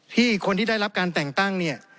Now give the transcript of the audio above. ที่คนที่ได้รับการแต่งตั้งเนี่ย